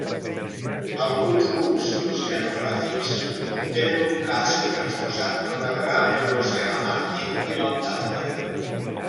Alguns bucs oceanogràfics tenen un casc reforçat per navegar en l'Oceà Àrtic i l'Antàrtida.